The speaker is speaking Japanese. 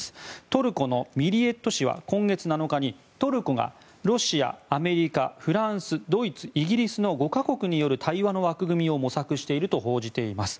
トルコのミリエット紙は今月７日にトルコがロシア、アメリカフランス、ドイツイギリスの５か国による対話の枠組みを模索していると報じています。